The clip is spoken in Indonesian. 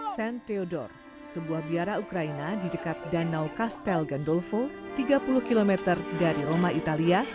cen theodor sebuah biara ukraina di dekat danau kastel gandolvo tiga puluh km dari roma italia